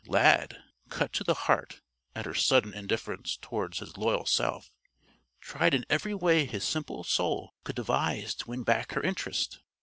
Lad, cut to the heart at her sudden indifference toward his loyal self, tried in every way his simple soul could devise to win back her interest.